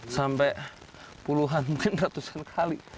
sampai puluhan mungkin ratusan kali